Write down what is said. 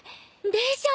でしょ。